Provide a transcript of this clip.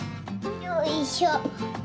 よいしょ！